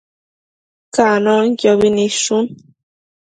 Canonquiobi nidshun